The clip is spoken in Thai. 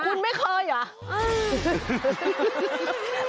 คุณไม่เคยเหรอ